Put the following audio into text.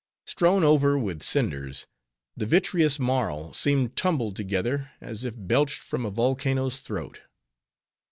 Strown over with cinders, the vitreous marl seemed tumbled together, as if belched from a volcano's throat.